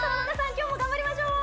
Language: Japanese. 今日も頑張りましょう！